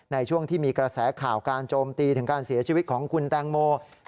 ในช่วงที่มีกระแสข่าวการโจมตีถึงการเสียชีวิตของคุณแตงโม